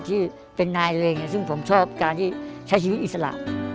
ที่เป็นนายตัวเองซึ่งผมชอบการที่ใช้ชีวิตอิสระ